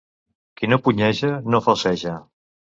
Qui no punyeja no falceja.